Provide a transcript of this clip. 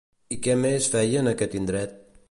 I què més feia en aquest indret?